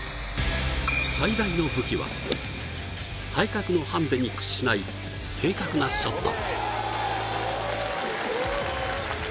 最大の武器は体格のハンデに屈しない正確なショット。